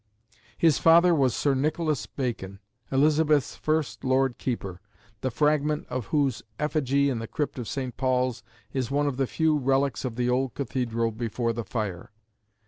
His father was Sir Nicholas Bacon, Elizabeth's first Lord Keeper, the fragment of whose effigy in the Crypt of St. Paul's is one of the few relics of the old Cathedral before the fire.